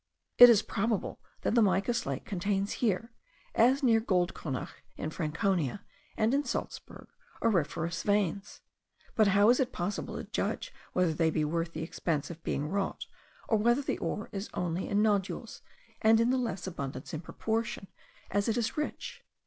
It is probable that the mica slate contains here, as near Goldcronach in Franconia, and in Salzburgh, auriferous veins; but how is it possible to judge whether they be worth the expense of being wrought, or whether the ore is only in nodules, and in the less abundance in proportion as it is rich?